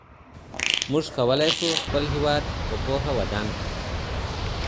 موږ کولای سو خپل هېواد په پوهه ودان کړو.